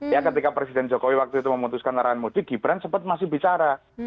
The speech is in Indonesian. ya ketika presiden jokowi waktu itu memutuskan arahan mudik gibran sempat masih bicara